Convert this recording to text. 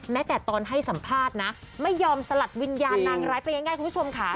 แม้แต่ตอนให้สัมภาษณ์นะไม่ยอมสลัดวิญญานางร้ายเป็นยังไงคุณผู้ชมขา